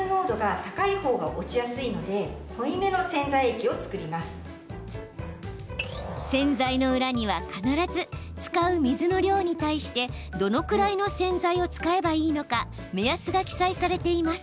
洗剤の裏には必ず使う水の量に対してどのくらいの洗剤を使えばいいのか目安が記載されています。